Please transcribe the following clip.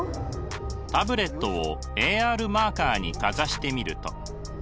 タブレットをＡＲマーカーにかざしてみると。